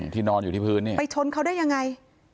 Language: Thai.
ที่นอนอยู่ที่พื้นไปชนเขาได้ยังไง